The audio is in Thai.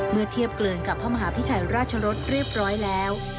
เมื่อเทียบเกลือนกับพระมหาพิชัยราชรสเรียบร้อยแล้ว